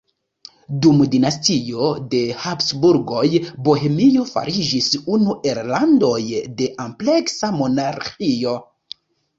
Dum dinastio de Habsburgoj Bohemio fariĝis unu el landoj de ampleksa monarĥio.